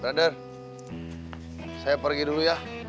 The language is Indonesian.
rader saya pergi dulu ya